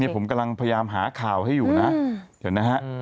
ผมกำลังพยายามหาข่าวให้อยู่นะเห็นไหมฮะ